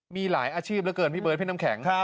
มีหลายอาชีพเหลือเกินพี่เบิร์ดพี่น้ำแข็ง